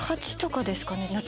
１８とかですかね。